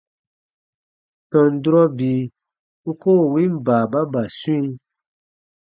Tɔn durɔ bii u koo win baababa swĩ.